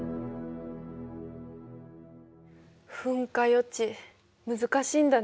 噴火予知難しいんだね。